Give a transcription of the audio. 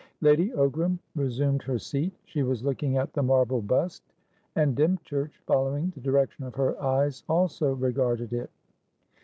Lady Ogram resumed her seat. She was looking at the marble bust, and Dymchurch, following the direction of her eyes, also regarded it.